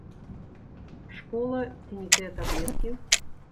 Школа ці не тыя таблеткі?